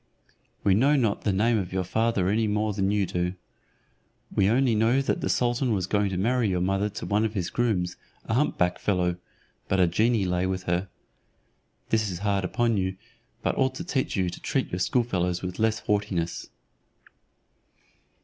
We know not the name of your father any more than you do. We only know that the sultan was going to marry your mother to one of his grooms, a humpback fellow; but a genie lay with her. This is hard upon you, but ought to teach you to treat your schoolfellows with less haughtiness."